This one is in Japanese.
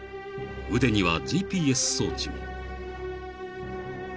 ［腕にはＧＰＳ装置も］